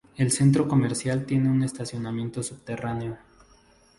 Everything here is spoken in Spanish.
El centro comercial tiene un estacionamiento subterráneo.